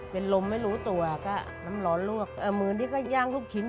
เป็นลมไม่รู้ตัวก็น้ำร้อนลวกเออมือนี่ก็ย่างลูกชิ้น